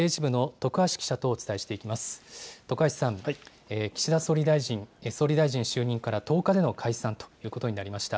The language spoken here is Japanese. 徳橋さん、岸田総理大臣、総理大臣就任から１０日での解散ということになりました。